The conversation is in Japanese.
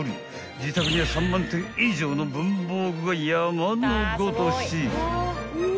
［自宅には３万点以上の文房具が山のごとし］